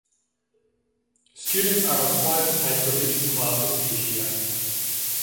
Students are required to take religion classes each year.